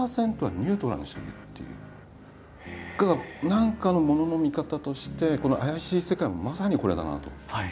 何かのものの見方としてこの怪しい世界もまさにこれだなと。